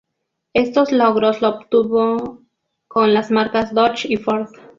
Todos estos logros los obtuvo con las marcas Dodge y Ford.